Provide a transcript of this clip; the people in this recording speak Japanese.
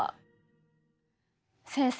先生